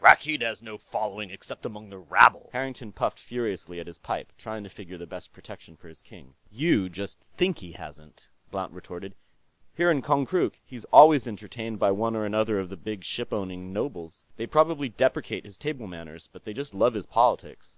"Rakkeed has no following, except among the rabble." Harrington puffed furiously at his pipe, trying to figure the best protection for his king. "You just think he hasn't," Blount retorted. "Here in Konkrook, he's always entertained by one or another of the big ship owning nobles. They probably deprecate his table manners, but they just love his politics.